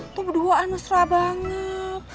itu berduaan mesra banget